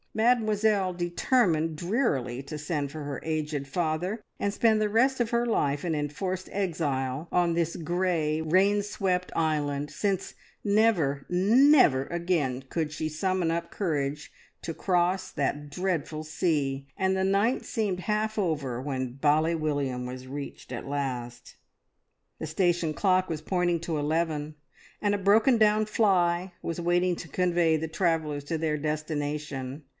Mademoiselle determined drearily to send for her aged father, and spend the rest of her life in enforced exile on this grey, rain swept island, since never, never again could she summon up courage to cross that dreadful sea, and the night seemed half over when Bally William was reached at last. The station clock was pointing to eleven, and a broken down fly was waiting to convey the travellers to their destination.